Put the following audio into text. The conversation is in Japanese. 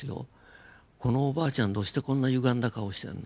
このおばあちゃんどうしてこんなゆがんだ顔してんの？